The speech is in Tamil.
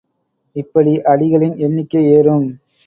இப்படி அடிகளின் எண்ணிக்கை ஏறும்.